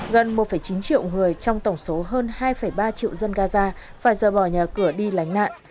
gần một chín triệu người trong tổng số hơn hai ba triệu dân gaza phải dỡ bỏ nhà cửa đi lánh nạn